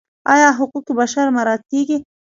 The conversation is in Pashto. آیا حقوق بشر مراعات کیږي؟